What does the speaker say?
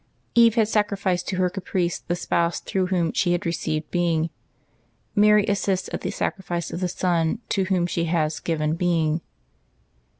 Eve had sacrificed to her caprice the spouse through whom she had received being; Mary assists at the sacrifice of the Son to Whom she has given being.